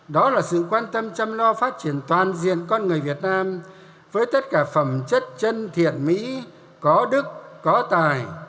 đó là sự quan tâm chăm lo phát triển toàn diện con người việt nam với tất cả phẩm chất chân thiện mỹ có đức có tài